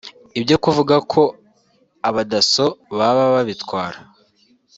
ibyo kuvuga ko Abadasso baba babitwara